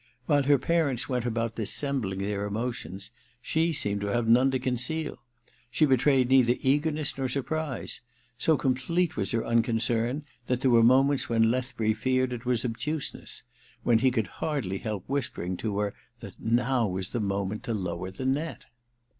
While her parents went about dissembling their emotions, she seemed to have none to conceal. She betrayed neither eagerness nor surprise ; so complete was her V THE MISSION OF JANE 187 unconcern that there were moments when Leth bury feared it was obtuseness, when he could hardly help whispering to her that now was the moment to lower the net.